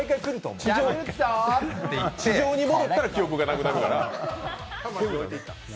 地上に戻ったら記憶がなくなるから。